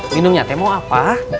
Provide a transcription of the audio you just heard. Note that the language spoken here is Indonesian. minumnya teh mau apa